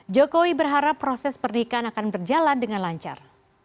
jokowi berharap proses pernikahan akan berjalan dengan lancar